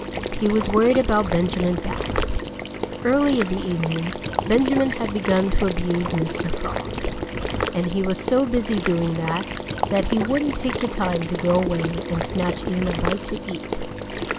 He was worried about Benjamin Bat. Early in the evening Benjamin had begun to abuse Mr. Frog. And he was so busy doing that that he wouldn't take the time to go away and snatch even a bite to eat.